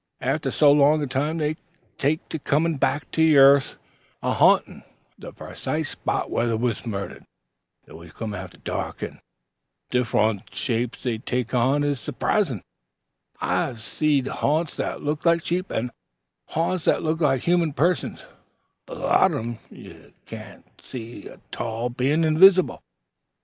After so long a time they take to comin' back to yarth an' ha'ntin' the precise spot where they wuz murdered. They always come after dark, an' the diffrunt shapes they take on is supprisin'. I have seed ha'nts that looked like sheep, an' ha'nts that looked like human persons; but lots of 'em ye cain't see a tall, bein' invisible, as the sayin' is.